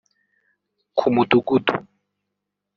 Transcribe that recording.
ku mudugudu